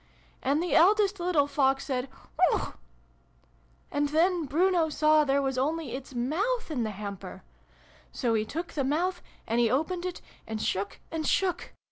' And the eldest little Fox said ' Whihuauch !' And then Bruno saw there was only its moutk in the hamper ! So he took the mouth, and he opened it, and shook, and shook